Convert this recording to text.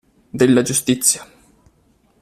Della giustizia.